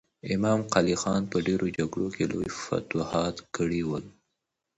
امام قلي خان په ډېرو جګړو کې لوی فتوحات کړي ول.